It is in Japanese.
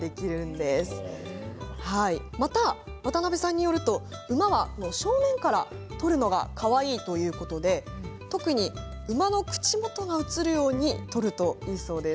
また渡邉さんによると馬は正面から撮るのがかわいいということで特に馬の口元が写るように撮るといいそうです。